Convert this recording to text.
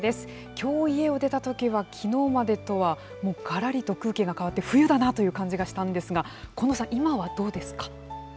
きょう、家を出たときはきのうまでとはもうがらりと空気が変わって、冬だなという感じがしたんですが、近藤さん、今はどうですか